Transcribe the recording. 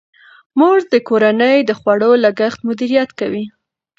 مور د کورنۍ د خوړو لګښت مدیریت کوي.